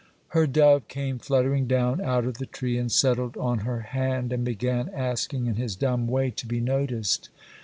Her dove came fluttering down out of the tree and settled on her hand, and began asking in his dumb way to be noticed.